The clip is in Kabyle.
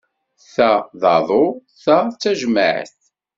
Ta d aḍu ta d tajemmaɛt.